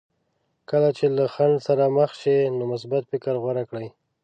کله چې له خنډ سره مخ شئ نو مثبت فکر غوره کړئ.